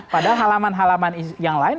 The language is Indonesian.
padahal halaman halaman yang lain